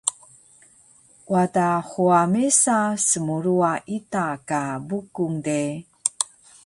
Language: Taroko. Wada huwa mesa smruwa ita ka Bukung de